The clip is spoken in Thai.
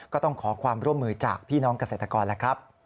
ก็ต้องขอความร่วมมือจากพี่น้องเกษตรกรแล้วครับ